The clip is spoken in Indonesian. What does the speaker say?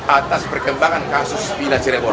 atas perkembangan kasus pinac rebol